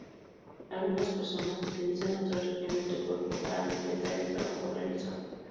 Algunas personas utilizan otras regiones del cuerpo para completar el trabajo realizado.